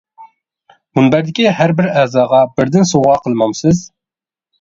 مۇنبەردىكى ھەر بىر ئەزاغا بىردىن سوۋغا قىلمامسىز!